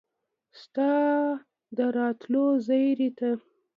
ستا د راتلو زیري ته